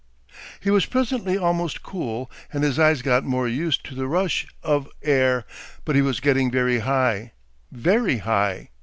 He was presently almost cool, and his eyes got more used to the rush of air, but he was getting very high, very high.